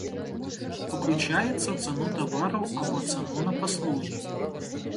Уключаецца ў цану тавараў або цану на паслугі.